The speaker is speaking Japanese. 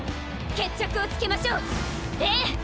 決着をつけましょうええ！